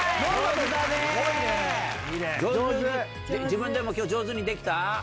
自分でも今日上手にできた？